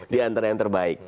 di antara yang terbaik